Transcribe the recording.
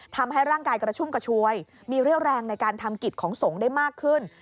ทำให้ร่างกายกระชุ่มกระชวยมีเรี่ยวแรงในการทำกิจของสงฆ์ได้มากขึ้น